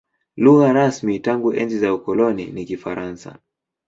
Lugha rasmi tangu enzi za ukoloni ni Kifaransa.